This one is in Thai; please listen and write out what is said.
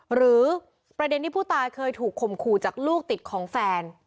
หรือประเด็นที่ผู้ตายเคยถูกข่มขู่จากลูกติดของแฟน